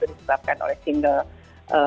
jadi kita ada air air di chicken wing ini